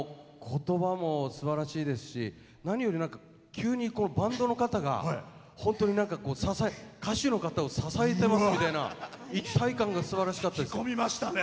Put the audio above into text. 言葉もすばらしいですし何より急にバンドの方が本当に歌手の方を支えてますみたいな一体感がすばらしかったです。